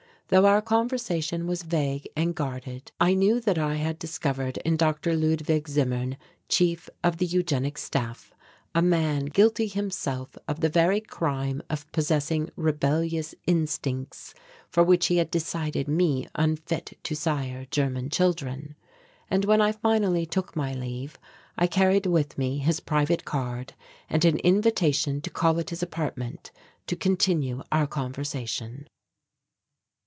Though our conversation was vague and guarded, I knew that I had discovered in Dr. Ludwig Zimmern, Chief of the Eugenic Staff, a man guilty himself of the very crime of possessing rebellious instincts for which he had decided me unfit to sire German children. And when I finally took my leave I carried with me his private card and an invitation to call at his apartment to continue our conversation.